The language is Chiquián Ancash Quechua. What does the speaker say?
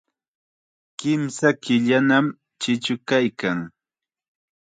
Kimsa killanam chichu kaykan.